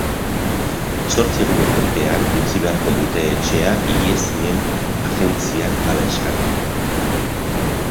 Zortzi eguneko epean utzi beharko dute etxea higiezinen agentziak hala eskatuta.